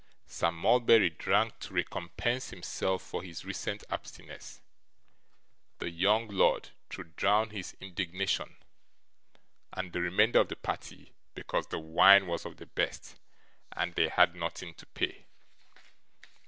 Sir Mulberry drank to recompense himself for his recent abstinence; the young lord, to drown his indignation; and the remainder of the party, because the wine was of the best and they had nothing to pay.